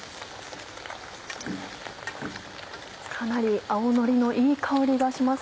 かなり青のりのいい香りがします。